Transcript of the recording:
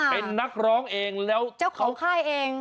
เป็นนักร้องเองแล้วเจ้าของค่ายเอง